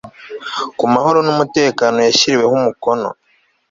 ku mahoro n umutekano yashyiriweho umukono